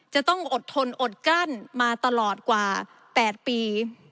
จะต้องอดทนอดกลั้นมาตลอดกว่า๘ปี